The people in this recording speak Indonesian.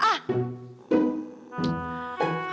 pak kamu kembali lagi